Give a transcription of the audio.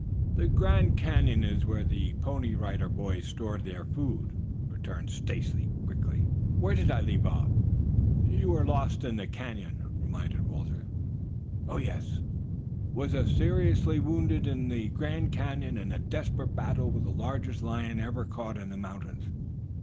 "The Grand Canyon is where the Pony Rider Boys store their food," returned Stacy quickly. "Where did I leave off?" "You were lost in the Canyon," reminded Walter. "Oh, yes. 'Was seriously wounded in the Grand Canyon in a desperate battle with the largest lion ever caught in the mountains.